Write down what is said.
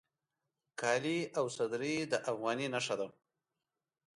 کالي او صدرۍ د افغاني نښه ده